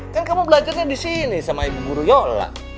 kan kamu belajarnya disini sama ibu guru yola